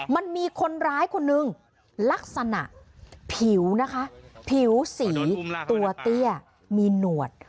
มันมีคนร้ายคนนึงลักษณะผิวนะคะผิวสีตัวเตี้ยมีหนวด